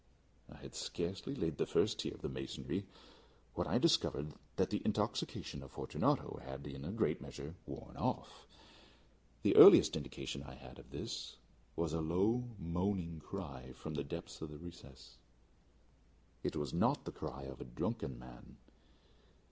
I had scarcely laid the first tier of the masonry when I discovered that the intoxication of Fortunato had in a great measure worn off. The earliest indication I had of this was a low moaning cry from the depth of the recess. It was not the cry of a drunken man.